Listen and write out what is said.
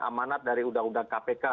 amanat dari undang undang kpk